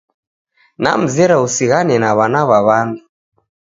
Namzera usighane na w'ana wa w'andu